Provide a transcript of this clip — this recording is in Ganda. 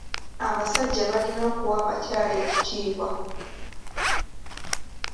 Abasajja balina okuwa abakyala ekitiibwa.